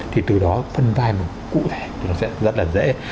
thì từ đó phân vai cụ thể thì nó sẽ rất là dễ